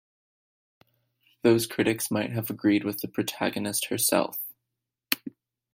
Those critics might have agreed with the protagonist herself.